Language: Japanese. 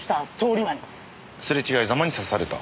すれ違いざまに刺された。